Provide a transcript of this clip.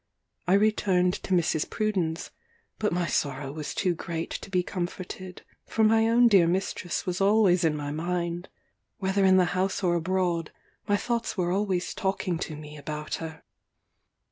I returned to Mrs. Pruden's; but my sorrow was too great to be comforted, for my own dear mistress was always in my mind. Whether in the house or abroad, my thoughts were always talking to me about her.